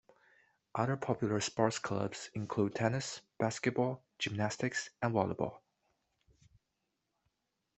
Other popular sports clubs include tennis, basketball, gymnastics, and volleyball.